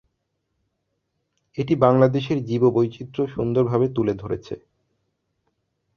এটি বাংলাদেশের জীববৈচিত্র্য সুন্দরভাবে তুলে ধরেছে।